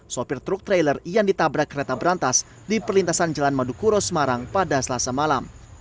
sopir truk trailer yang ditabrak kereta berantas di perlintasan jalan madukuro semarang pada selasa malam